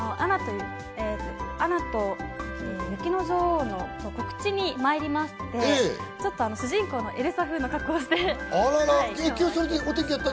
『アナと雪の女王』の告知に参りまして、主人公のエルサ風の格好をして参りました。